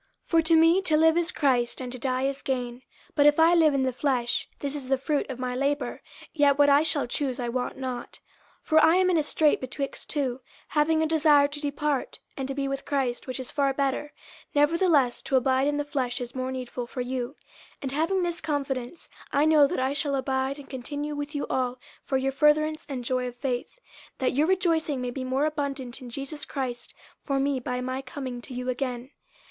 50:001:021 For to me to live is Christ, and to die is gain. 50:001:022 But if I live in the flesh, this is the fruit of my labour: yet what I shall choose I wot not. 50:001:023 For I am in a strait betwixt two, having a desire to depart, and to be with Christ; which is far better: 50:001:024 Nevertheless to abide in the flesh is more needful for you. 50:001:025 And having this confidence, I know that I shall abide and continue with you all for your furtherance and joy of faith; 50:001:026 That your rejoicing may be more abundant in Jesus Christ for me by my coming to you again.